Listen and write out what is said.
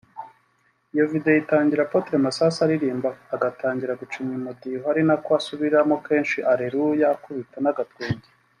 Iyo video itangira Apôtre Masasu aririmba agatangira gucinya umudiho ari nako asubiramo kenshi “Aleluya” akubita n’agatwenge